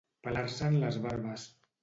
Pelar-se'n les barbes.